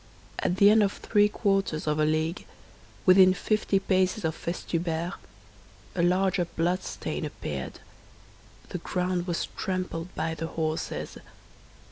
At the end of three quarters of a league, within fifty paces of Festubert, a larger bloodstain appeared; the ground was trampled by horses.